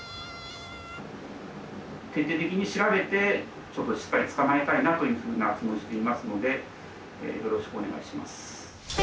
徹底的に調べてちょっとしっかり捕まえたいなというふうな気持ちでいますのでよろしくお願いします。